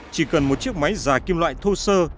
chỉ cần một chiếc máy dài kim loại thô sơ